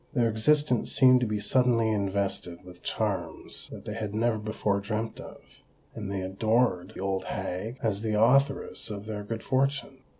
Their existence seemed to be suddenly invested with charms that they had never before dreamt of; and they adored the old hag as the authoress of their good fortune.